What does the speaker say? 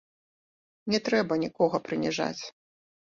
Не трэба нікога прыніжаць.